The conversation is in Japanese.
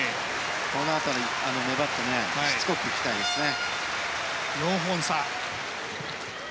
このあとも粘ってしつこくいきたいですね。